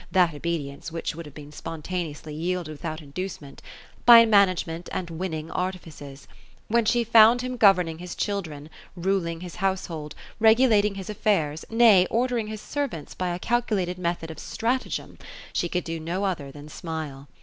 — that obedience which would have been spontaneously yielded, without induce ment, — by management and winning artiBces; when she found him governing his children, ruling his household, regulating his affairs, nay ordering his servants by a calculated method of stratagem, she could dc no other than smile.